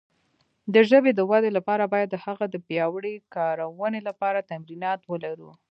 د ژبې د وده لپاره باید د هغه د پیاوړې کارونې لپاره تمرینات ولرو.